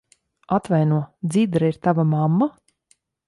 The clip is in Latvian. Atvaino, Dzidra ir tava mamma?